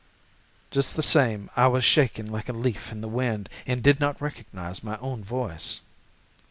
"Just the same, I was shaking like a leaf in the wind and did not recognize my own voice.